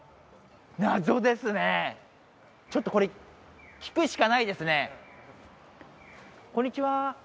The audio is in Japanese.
謎ですねちょっとこれ聞くしかないですねこんにちは